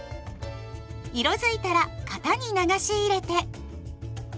色づいたら型に流し入れて。